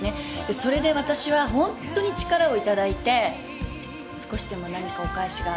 それで私は本当に力を頂いて、少しでも何かお返しが。